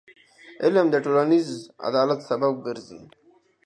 علم د ټولنیز عدالت سبب ګرځي.